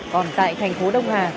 còn tại thành phố đông hà